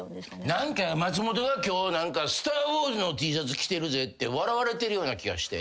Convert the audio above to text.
何か松本が今日『スター・ウォーズ』のＴシャツ着てるぜって笑われてるような気がして。